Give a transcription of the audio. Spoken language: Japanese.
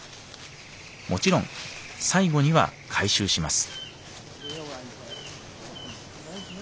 もちろん最後には回収します。